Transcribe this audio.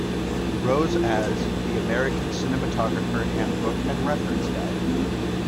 Rose as "The American Cinematographer Hand Book and Reference Guide".